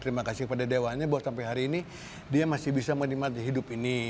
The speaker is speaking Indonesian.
terima kasih kepada dewannya bahwa sampai hari ini dia masih bisa menikmati hidup ini